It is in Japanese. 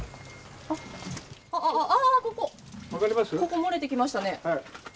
ここ、漏れてきましたね。